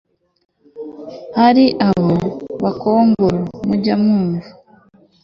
Ari bo Bakongoro mujya mwumva